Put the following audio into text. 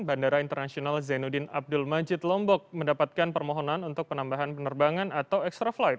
bandara internasional zainuddin abdul majid lombok mendapatkan permohonan untuk penambahan penerbangan atau extra flight